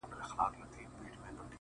انساني کرامت تر سوال للاندي دی